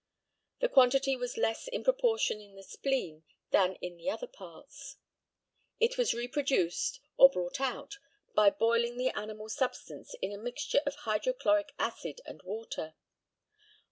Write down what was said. The quantity was less in proportion in the spleen than in the other parts. It was reproduced, or brought out, by boiling the animal substance in a mixture of hydrochloric acid and water.